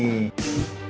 masih masih di sini